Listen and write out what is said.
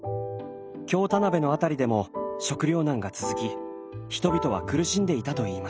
京田辺の辺りでも食糧難が続き人々は苦しんでいたといいます。